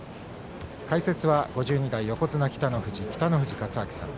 解説は５２代横綱北の富士の北の富士勝昭さん。